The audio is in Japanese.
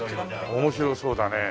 面白そうだねえ。